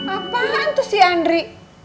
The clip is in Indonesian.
apaan tuh si andri